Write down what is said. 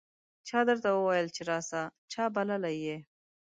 چا درته وویل چې راسه ؟ چا بللی یې